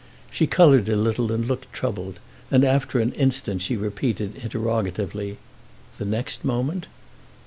She coloured a little and looked troubled, and after an instant she repeated interrogatively: "The next moment?"